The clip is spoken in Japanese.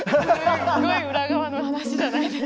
すごい裏側の話じゃないですか。